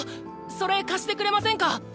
それ貸してくれませんか？